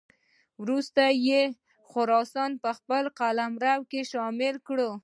وروسته یې خراسان په خپل قلمرو کې شامل کړ.